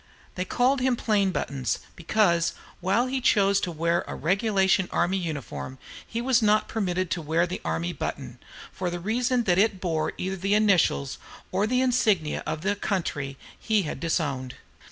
They called him "Plain Buttons," because, while he always chose to wear a regulation army uniform, he was not permitted to wear the army button, for the reason that it bore either the initials or the insignia of the country he had disowned.